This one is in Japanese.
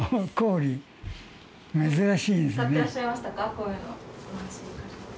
こういうの。